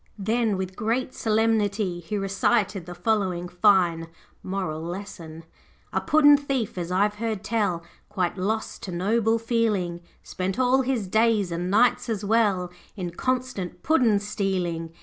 Then, with great solemnity, he recited the following fine moral lesson 'A puddin' thief, as I've heard tell, Quite lost to noble feeling, Spent all his days, and nights as well, In constant puddin' stealing.